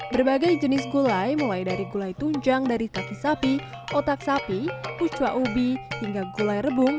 berbagai jenis gulai mulai dari gulai tunjang dari kaki sapi otak sapi pucua ubi hingga gulai rebung